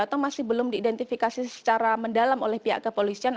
atau masih belum diidentifikasi secara mendalam oleh pihak kepolisian